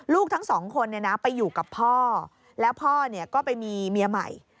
ทั้งสองคนไปอยู่กับพ่อแล้วพ่อก็ไปมีเมียใหม่